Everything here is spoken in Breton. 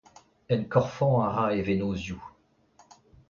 Enkorfañ a ra e vennozioù.